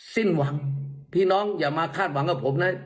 สิ้นหวังพี่น้องอย่ามาคาดหวังกับผมนะ